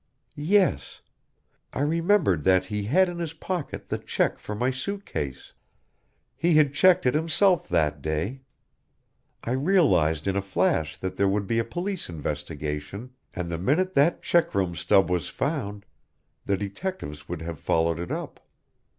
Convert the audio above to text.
"Yes. I remembered that he had in his pocket the check for my suit case! He had checked it himself that day. I realized in a flash that there would be a police investigation and the minute that checkroom stub was found, the detectives would have followed it up.